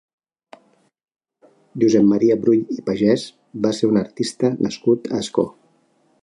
Josep Maria Brull i Pagès va ser un artista nascut a Ascó.